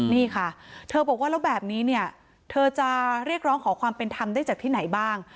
นี่ค่ะเธอบอกว่าแล้วแบบนี้เนี่ยเธอจะเรียกร้องขอความเป็นธรรมได้จากที่ไหนบ้าง